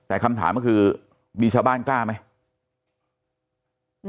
แต่คำถามก็คือมีชาวบ้านกล้าไหม